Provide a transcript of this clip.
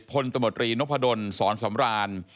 ตมตรีนพดลสอนสำราน